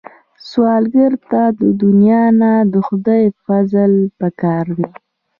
سوالګر ته د دنیا نه، د خدای فضل پکار دی